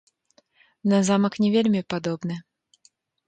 На замак не вельмі падобны?